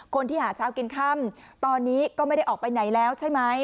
คนที่หาเช้ากินค่ำตอนนี้ก็ไม่ได้ออกไปไหนแล้วใช่ไหม